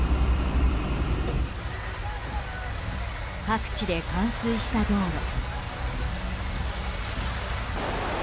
各地で冠水した道路。